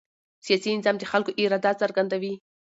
سیاسي نظام د خلکو اراده څرګندوي